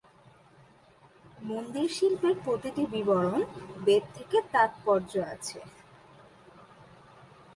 মন্দির শিল্পের প্রতিটি বিবরণ বেদ থেকে তাৎপর্য আছে।